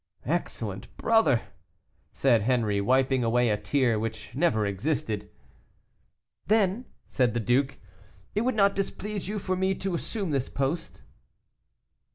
"Excellent brother!" said Henri, wiping away a tear which never existed. "Then," said the duke, "it would not displease you for me to assume this post?"